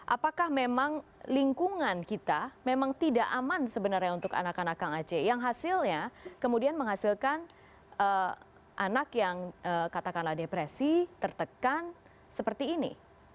apakah memang lingkungan kita memang tidak aman sebenarnya untuk anak anak kang aceh yang hasilnya kemudian menghasilkan anak yang katakanlah depresi tertekan seperti ini